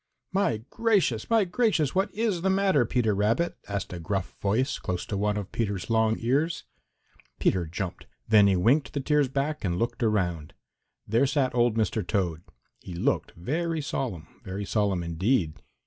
"My gracious! My gracious! What is the matter, Peter Rabbit?" asked a gruff voice close to one of Peter's long ears. Peter jumped. Then he winked the tears back and looked around. There sat old Mr. Toad. He looked very solemn, very solemn indeed.